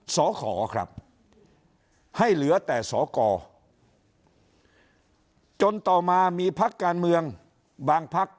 สขครับให้เหลือแต่สกจนต่อมามีพักการเมืองบางพัก